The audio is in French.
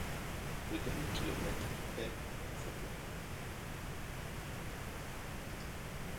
Le dernier km est en faux-plat.